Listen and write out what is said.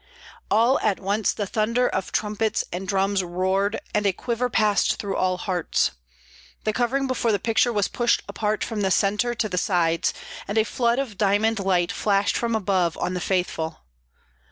All at once the thunder of trumpets and drums roared, and a quiver passed through all hearts. The covering before the picture was pushed apart from the centre to the sides, and a flood of diamond light flashed from above on the faithful.